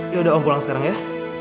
yaudah om pulang sekarang ya